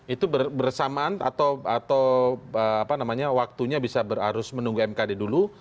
itu bersamaan atau waktunya bisa berarus menunggu mkd dulu